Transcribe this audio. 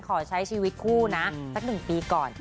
ขอใช้ชีวิตคู่นะสัก๑ปีก่อน